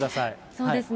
そうですね。